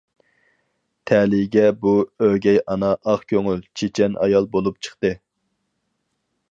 تەلىيىگە بۇ‹‹ ئۆگەي ئانا›› ئاق كۆڭۈل، چېچەن ئايال بولۇپ چىقتى.